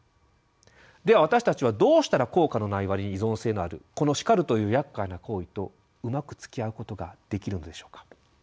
では私たちはどうしたら効果のない割に依存性のあるこの「叱る」というやっかいな行為とうまくつきあうことができるのでしょうか。